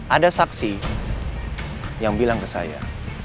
ada saksi yang bilang ke saya